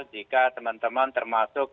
jika teman teman termasuk